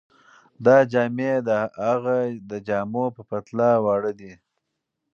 دا جامې د هغه د جامو په پرتله واړه دي.